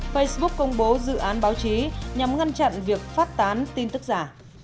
facebook công bố dự án báo chí nhằm ngăn chặn việc phát tán tin tức giả